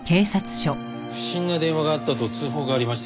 不審な電話があったと通報がありましてね